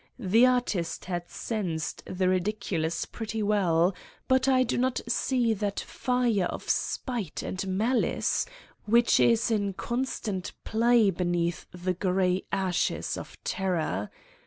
The artist had sensed the ridiculous pretty well, but I do not see that fire of spite and malice which is in constant play be neath the gray ashes of terror.